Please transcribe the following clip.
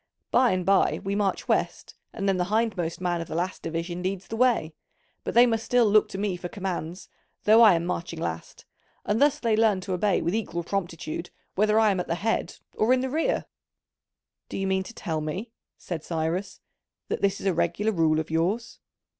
By and by we march west, and then the hindmost man of the last division leads the way, but they must still look to me for commands, though I am marching last: and thus they learn to obey with equal promptitude whether I am at the head or in the rear." "Do you mean to tell me," said Cyrus, "that this is a regular rule of yours?"